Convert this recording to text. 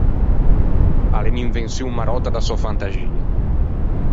A l’é unn’invençion maròtta da sò fantaxia.